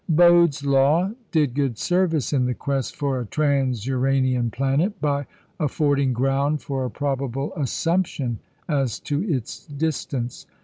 Bode's Law did good service in the quest for a trans Uranian planet by affording ground for a probable assumption as to its distance.